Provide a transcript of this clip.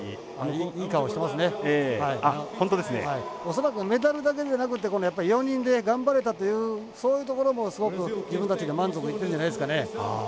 恐らくメダルだけでなくてやっぱり４人で頑張れたというそういうところもすごく自分たちで満足いってるんじゃないですかね。